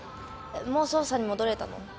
もう捜査に戻れたの？